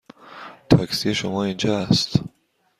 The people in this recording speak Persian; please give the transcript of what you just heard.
تاکسی شما اینجا است.